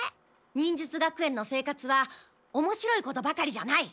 忍術学園の生活はおもしろいことばかりじゃない。